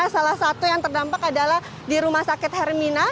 salah satu yang terdampak adalah di rumah sakit hermina